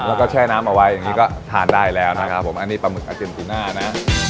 แล้วก็แช่น้ำเอาไว้อย่างนี้ก็ทานได้แล้วนะครับผมอันนี้ปลาหึกอาเจนติน่านะ